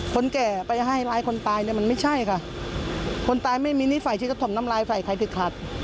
คนแก่ไปให้ร้ายคนตายมันไม่ใช่ค่ะคนตายไม่มีนิสัยที่จะทำนำร้ายฝ่ายใครผิดขาด